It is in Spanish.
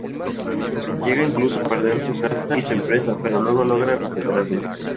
Llega incluso a perder su casa y su empresa, pero luego logra recuperarlas.